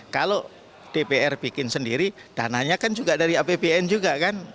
kalau dpr bikin sendiri dananya kan juga dari apbn juga kan